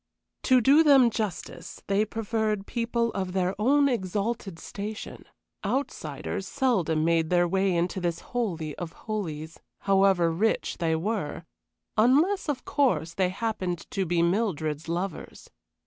To do them justice, they preferred people of their own exalted station; outsiders seldom made their way into this holy of holies, however rich they were unless, of course, they happened to be Mildred's lovers.